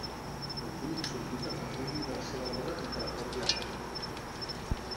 El fill li suplica que cuidi de la seva dona i que la porti a casa.